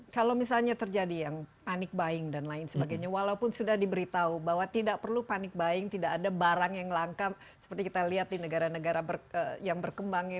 kalau misalnya terjadi yang panic buying dan lain sebagainya walaupun sudah diberitahu bahwa tidak perlu panik buying tidak ada barang yang langka seperti kita lihat di negara negara yang berkembang ya